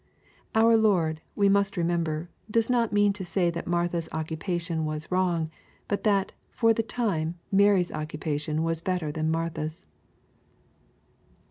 Our Lord, we must remember, does not mean to say that Marthas occupation was wrong, but that, for the time, Mary'9 occupation was better than Martha's.